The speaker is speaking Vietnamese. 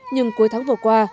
nhưng cuối tháng vừa qua